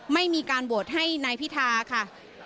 ไม่มีการโหวตให้นายพิธาค่ะ